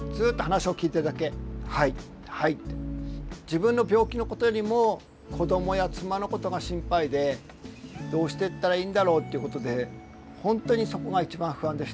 自分の病気のことよりも子どもや妻のことが心配でどうしていったらいいんだろうっていうことで本当にそこが一番不安でした。